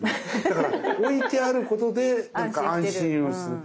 だから置いてあることでなんか安心をする。